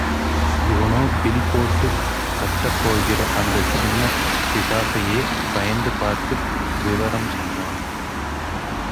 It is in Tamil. இவனோ, பில் போட்டு காட்டப்போகிற அந்த சின்ன பிசாசையே பயந்து பார்த்து, விவரம் சொன்னான்.